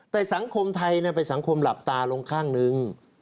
แต่สังคมไทยเป็นสังคมหลับตาลงข้างหนึ่ง